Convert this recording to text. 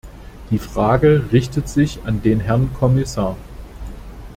Die Frage richtet sich an den Herrn Kommissar.